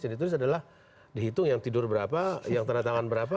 jadi ditulis adalah dihitung yang tidur berapa yang ternyata berapa